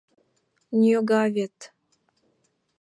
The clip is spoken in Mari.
Ньога вет!